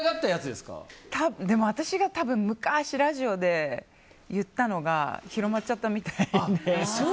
でも多分、私が昔ラジオで言ったのが広まっちゃったみたいで。